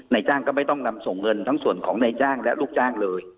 นายจ้างก็ไม่ต้องนำส่งเงินทั้งส่วนของนายจ้างและลูกจ้างเลย